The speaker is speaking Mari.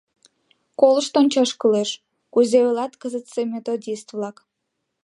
Колышт ончаш кӱлеш, кузе ойлат кызытсе методист-влак.